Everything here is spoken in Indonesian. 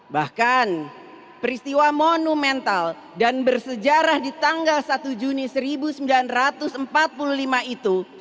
bahkan peristiwa monumental dan bersejarah di tanggal satu juni seribu sembilan ratus empat puluh lima itu